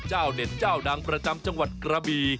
เจ้าเด็ดเจ้าดังประจำจังหวัดกระบี